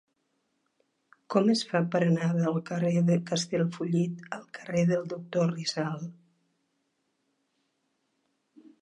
Com es fa per anar del carrer de Castellfollit al carrer del Doctor Rizal?